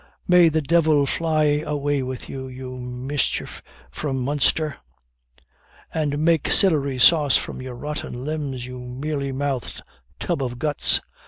May the divil fly away with you, you micher from Munster, and make celery sauce of your rotten limbs, you mealy mouthed tub of guts."